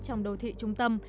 trong đô thị trung tâm